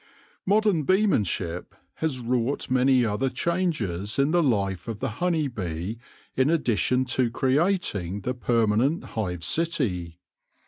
Modern beemanship has wrought many other changes in the life of the honey bee in addition to creating the permanent hive city.